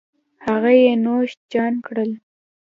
هغه یې نوش جان کړل